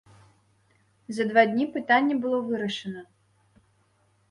За два дні пытанне было вырашана.